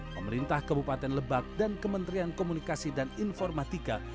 pemerintah kabupaten lebak dan kementerian komunikasi dan informatika